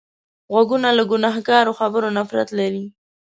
غوږونه له ګناهکارو خبرو نفرت لري